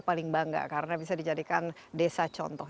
paling bangga karena bisa dijadikan desa contoh